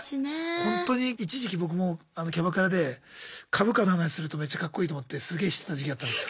ほんとに一時期僕もあのキャバクラで株価の話するとめっちゃカッコいいと思ってすげえしてた時期あったんすよ。